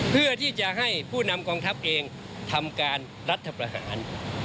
เพื่อที่จะให้ผู้นำกองทัพเองทำการรัฐประหาร